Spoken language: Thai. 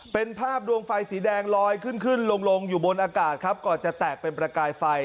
เป็นภาพดวงไฟสีแดงลอยขึ้นขึ้นลงลงอยู่บนอากาศครับก่อนจะแตกเป็นประกายไฟ